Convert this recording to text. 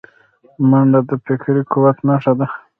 منډه د فکري قوت نښه ده